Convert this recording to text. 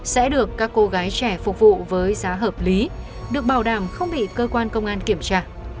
sẽ được các cô gái trẻ phục vụ với giá hợp lý được bảo đảm không bị cơ quan công an kiểm tra